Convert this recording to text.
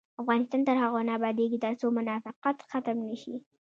افغانستان تر هغو نه ابادیږي، ترڅو منافقت ختم نشي.